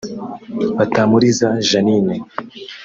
Batamuliza Jeanine